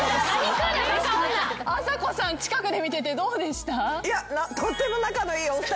あさこさん近くで見ててどうでした？